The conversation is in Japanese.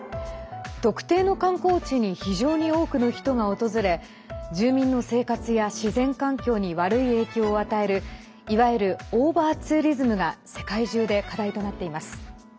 特定の観光地に非常に多くの人が訪れ住民の生活や自然環境に悪い影響を与えるいわゆるオーバーツーリズムが世界中で課題となっています。